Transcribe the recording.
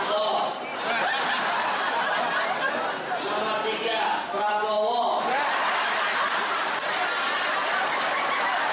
yang assez biasa khususnya dik santiago indonesia